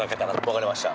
わかりました。